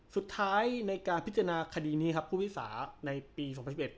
สุดท้ายในการพิจารณาคดีนี้ครับผู้พิสาในปีสองพันสิบเอ็ด